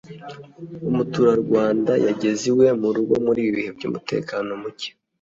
umuturarwanda yageze iwe mu rugo muri ibi bihe by’umutekeno muke